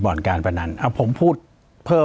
ปากกับภาคภูมิ